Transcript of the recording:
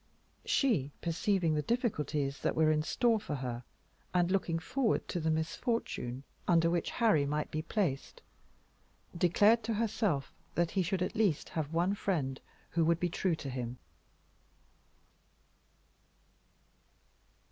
She, perceiving the difficulties that were in store for her, and looking forward to the misfortune under which Harry might be placed, declared to herself that he should at least have one friend who would be true to him.